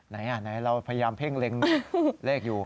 ไหนเราพยายามเพ่งเล็งเลขอยู่